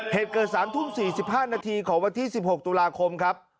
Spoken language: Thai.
เหตุเกิด๓ทุ่ม๔๕นาทีของวันที่๑๖ตุลาคมครับ